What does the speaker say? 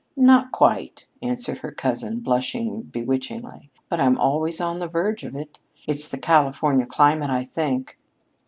"Not quite," answered her cousin, blushing bewitchingly. "But I'm always on the verge of it. It's the Californian climate, I think."